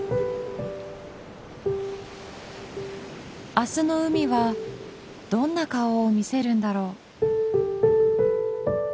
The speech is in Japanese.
明日の海はどんな顔を見せるんだろう。